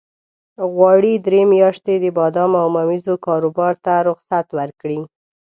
غواړي درې میاشتې د بادامو او ممیزو کاروبار ته رخصت ورکړي.